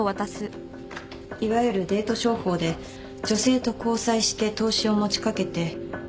いわゆるデート商法で女性と交際して投資を持ち掛けて金をだまし取る手口です。